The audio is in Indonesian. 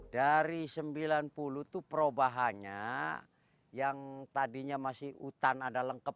dari sembilan puluh itu perubahannya yang tadinya masih utan ada lengkap